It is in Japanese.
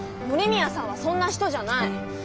森宮さんはそんな人じゃない！